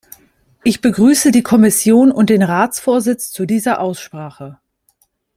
Ich begrüße die Kommission und den Ratsvorsitz zu dieser Aussprache.